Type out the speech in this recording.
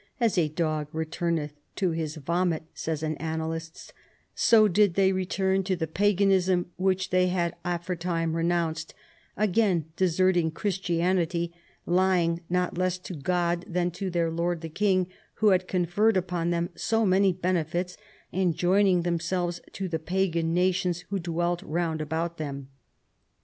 " As a dog returneth to his vomit," says an annalist, " so did they return to the paganism which they had aforetime renounced, again deserting Christianity, lying not less to God than to their lord the king, who had conferred upon them so many benefits, and joining themselves to the pagan na tions who dwelt round about them.